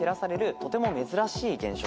とても珍しい現象です。